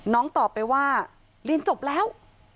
ตอบไปว่าเรียนจบแล้ว